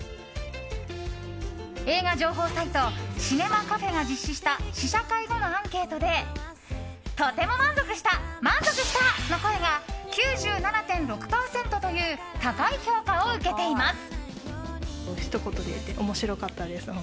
映画情報サイトシネマカフェが実施した試写会後のアンケートでとても満足した、満足したの声が９７．６％という高い評価を受けています。